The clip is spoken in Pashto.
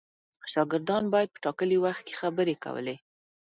شاګردان باید په ټاکلي وخت کې خبرې کولې.